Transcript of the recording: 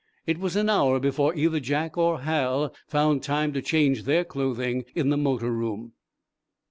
It was an hour before either Jack or Hal found time to change their clothing in the motor room.